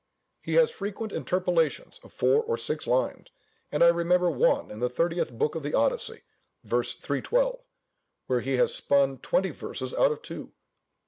He has frequent interpolations of four or six lines; and I remember one in the thirteenth book of the Odyssey, ver. 312, where he has spun twenty verses out of two.